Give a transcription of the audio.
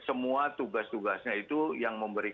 semua tugas tugasnya itu yang memberikan